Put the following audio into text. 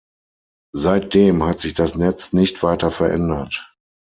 Seitdem hat sich das Netz nicht weiter verändert.